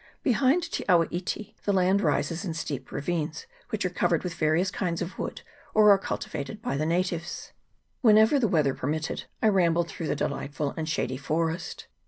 Behind Te awa iti the land rises in steep ravines., which are covered with various kinds of wood, or are cultivated by the natives. Whenever the wea ther permitted, I rambled through the delightful and shady forest.